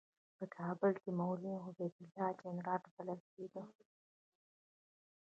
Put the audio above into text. په کابل کې مولوي عبیدالله جنرال بلل کېده.